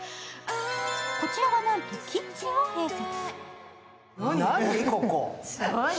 こちらは、なんとキッチンを併設。